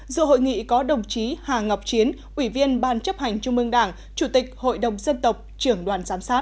dự hội nghị có đồng chí hà ngọc chiến ủy viên ban chấp hành trung mương đảng chủ tịch hội đồng dân tộc trưởng đoàn giám sát